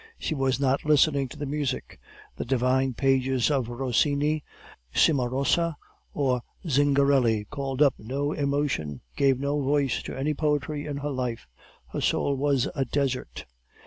She was not listening to the music. The divine pages of Rossini, Cimarosa, or Zingarelli called up no emotion, gave no voice to any poetry in her life; her soul was a desert.